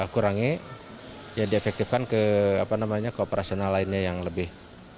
kurangi ya diefektifkan ke operasional lainnya yang lebih